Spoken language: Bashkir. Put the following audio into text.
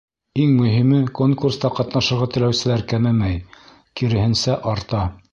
Иң мөһиме — конкурста ҡатнашырға теләүселәр кәмемәй, киреһенсә, арта.